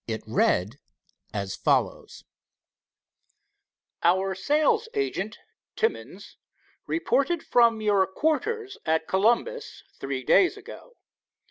It read as follows: "Our sales agent, Timmins, reported from your quarters at Columbus three days ago.